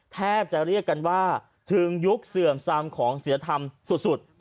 แทบจะเรียกกันว่าถึงยุคเสื่อมซามของศิลธรรมสุด